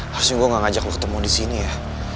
harusnya gue gak ngajak lu ketemu di sini ya